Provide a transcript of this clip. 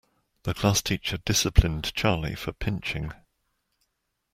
The classteacher disciplined Charlie for pinching.